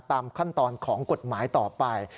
ตามขั้นตอนของกฎหมายต่อไป